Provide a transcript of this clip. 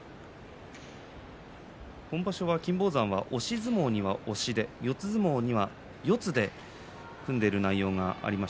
今場所、金峰山は押し相撲には押しで四つ相撲には四つで組んでいる内容があります。